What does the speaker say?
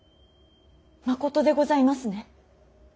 まことでございますね。